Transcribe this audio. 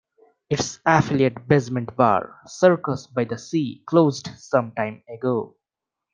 Its affiliate basement bar, Circus by the Sea, closed some time ago.